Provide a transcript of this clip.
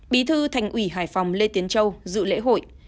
bí thư thành ủy hải phòng lê tiến châu dự lễ hội